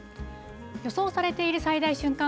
予想されている最大瞬間